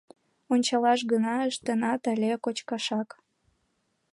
Ончалаш гына ыштенат але кочкашак?